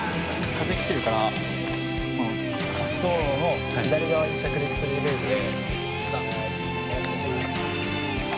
風来てるから滑走路の左側に着陸するイメージで。